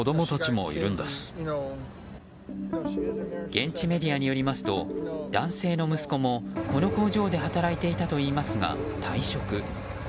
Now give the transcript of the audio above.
現地メディアによりますと男性の息子もこの工場で働いていたといいますが、退職。